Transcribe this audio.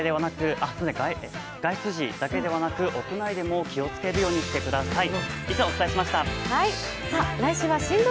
外出時だけでなく屋内でも気をつけるようにしてください。